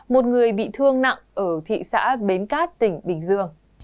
một người bị thương nặng ở thị xã bến cát tỉnh bình dương